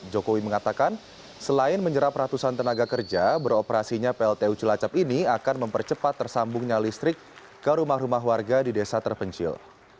jokowi mengatakan selain menyerap ratusan tenaga kerja beroperasinya pltu cilacap ini akan mempercepat tersambungnya listrik ke rumah rumah warga di desa terpencil